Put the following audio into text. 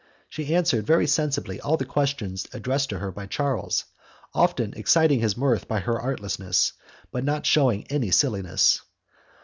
She answered very sensibly all the questions addressed to her by Charles, often exciting his mirth by her artlessness, but not shewing any silliness.